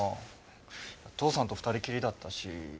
父さんと２人きりだったし。